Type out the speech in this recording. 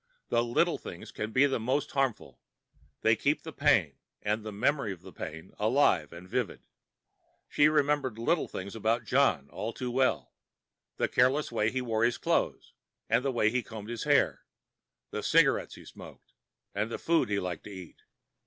The little things can be most harmful. They keep the pain, and the memory of pain, alive and vivid. She remembered little things about John all too well the careless way he wore his clothes, and the way he combed his hair, the cigarettes he smoked, and the foods he liked to eat.